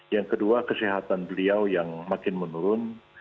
yang kedua kesehatan beliau yang makin menurun